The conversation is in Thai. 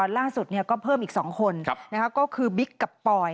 ล่าสุดเนี้ยก็เพิ่มอีกสองคนครับนะฮะก็คือบิ๊กกับปลอย